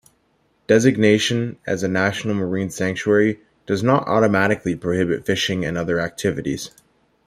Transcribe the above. Designation as a National Marine Sanctuary does not automatically prohibit fishing and other activities.